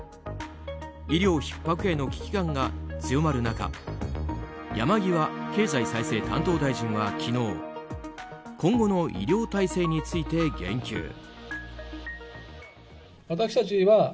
医療ひっ迫への危機感が強まる中山際経済再生担当大臣は、昨日今後の医療体制について言及。